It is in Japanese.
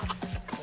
何？